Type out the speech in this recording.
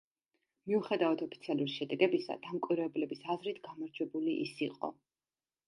მიუხედავად ოფიციალური შედეგებისა, დამკვირვებლების აზრით გამარჯვებული ის იყო.